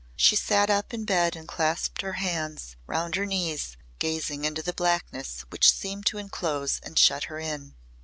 She sat up in bed and clasped her hands round her knees gazing into the blackness which seemed to enclose and shut her in.